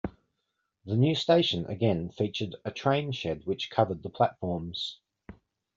The new station again featured a train shed which covered the platforms.